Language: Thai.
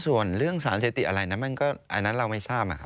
ส่วนเรื่องสารเศรษฐีอะไรนะอันนั้นเราไม่ทราบนะครับ